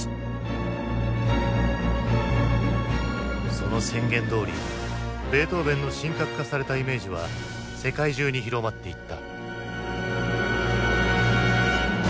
その宣言どおりベートーヴェンの神格化されたイメージは世界中に広まっていった。